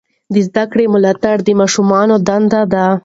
د زده کړې ملاتړ د ماشومانو دنده ده.